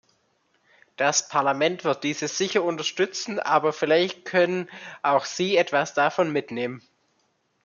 Das Parlament wird diese sicher unterstützen, aber vielleicht können auch Sie etwas davon mitnehmen.